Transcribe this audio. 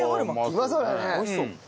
おいしそう。